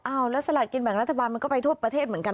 แล้วสลากกินแบ่งรัฐบาลมันก็ไปทั่วประเทศเหมือนกัน